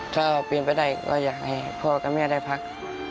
ถ้าเป็นไปได้ก็อยากให้พ่อกับแม่ได้พัก